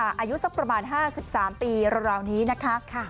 อายุสักประมาณ๕๓ปีราวนี้นะคะ